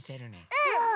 うん！